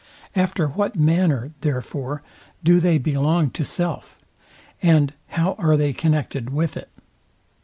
After what manner, therefore, do they belong to self; and how are they connected with it?